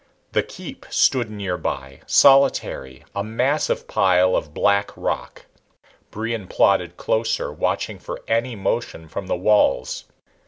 The keep stood nearby, solitary, a massive pile of black rock. Brion plodded closer, watching for any motion from the walls.